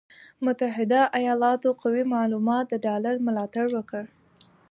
د متحده ایالاتو قوي معلوماتو د ډالر ملاتړ وکړ،